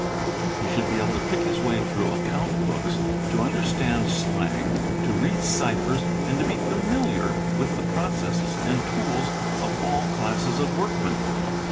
He should be able to pick his way through account books, to understand slang, to read ciphers, and be familiar with the processes and tools of all classes of workmen.